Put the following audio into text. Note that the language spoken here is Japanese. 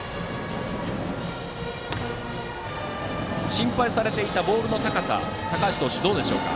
心配されていたボールの高さ高橋投手、どうでしょうか。